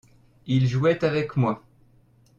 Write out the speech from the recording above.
il jouait avec moi.